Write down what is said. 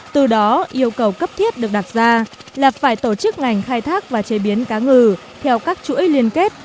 từ đó yêu cầu cấp thiết được đặt ra là phải tổ chức ngành khai thác và chế biến cá ngừ theo các chuỗi liên kết